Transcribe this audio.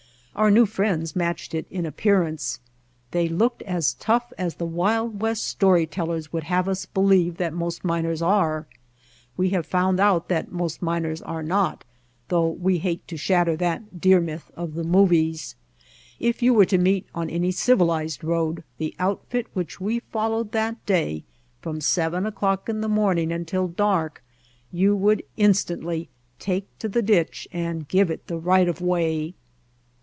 Our new friends matched it in appearance. They looked as tough as the Wild West story tellers would have us believe that most miners are. We have found out that most miners are not, though we hate to shatter that dear myth of the movies. If you were to meet on any civilized road the outfit which we followed that day from seven o'clock in the morning until dark you would instantly take to the ditch and give it the right of way.